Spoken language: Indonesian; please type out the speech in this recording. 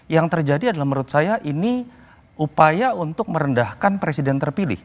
yang terjadi adalah menurut saya ini upaya untuk merendahkan presiden terpilih